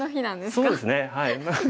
そうですねはい。